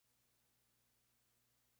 En Saw V se vuelve a ver su muerte.